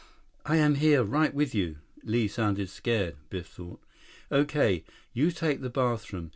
"I am here. Right with you." Li sounded scared, Biff thought. "Okay. You take the bathroom.